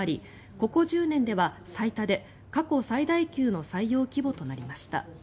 ここ１０年では最多で過去最大級の採用規模となりました。